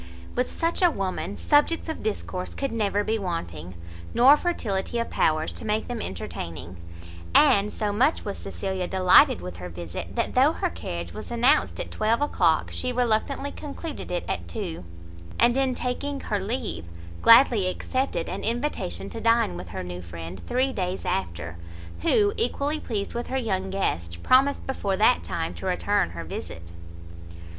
With such a woman, subjects of discourse could never be wanting, nor fertility of powers to make them entertaining: and so much was Cecilia delighted with her visit, that though her carriage was announced at twelve o'clock, she reluctantly concluded it at two; and in taking her leave, gladly accepted an invitation to dine with her new friend three days after; who, equally pleased with her young guest, promised before that time to return her visit.